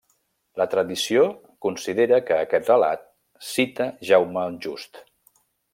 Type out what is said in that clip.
La tradició considera que aquest relat cita Jaume el Just.